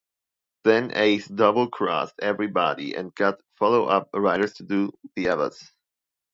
Then Ace double-crossed everybody and they got follow-up writers to do the others.